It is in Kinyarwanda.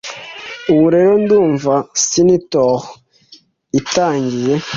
Ubu rero ndumva centaur itangiye